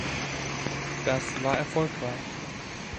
Das war erfolgreich.